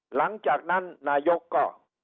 หลังจากนั้นนายกก็